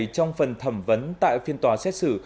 trong phần thẩm vấn tại phiên tòa xét xử